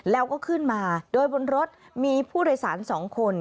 แล้วก็ขึ้นมาโดยบนรถมีผู้โดยสาร๒คน